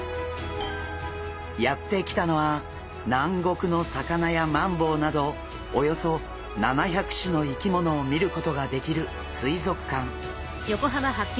やって来たのは南国の魚やマンボウなどおよそ７００種の生き物を見ることができる水族館。